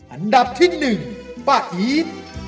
อันดับที่หนึ่งป้าอีน